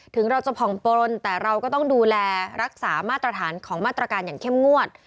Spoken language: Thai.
ถึงเราจะผ่องปลนแต่เราก็ต้องดูแลรักษามาตรฐานของมาตรการอย่างเข้มงวด